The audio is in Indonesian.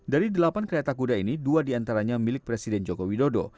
dari delapan kereta kuda ini dua diantaranya milik presiden joko widodo